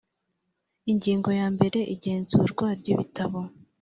ingingo ya mbere igenzurwa ry’ibitabo